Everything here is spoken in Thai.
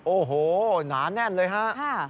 โอ้โหหนาแน่นเลยฮะ